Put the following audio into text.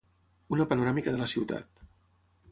Una panoràmica de la ciutat.